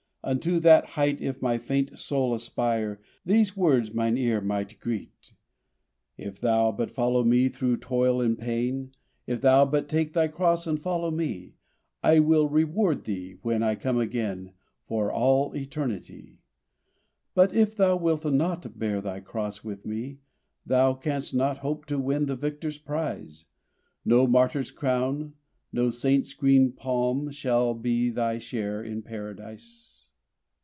Unto that height if my faint soul aspire These words mine ear might greet: "If thou but follow Me through toil and pain, If thou but take thy cross and follow Me, I will reward thee, when I come again, For all Eternity. "But if thou wilt not bear thy cross with Me Thou canst not hope to win the victor's prize; No martyr's crown, no saint's green palm shall be Thy share in Paradise!"